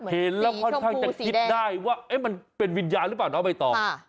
เห็นแล้วค่อนข้างจะคิดได้ว่ามันเป็นวิญญาณหรือเปล่าน้องใบตอง